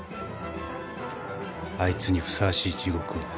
あいつにふさわしい地獄を。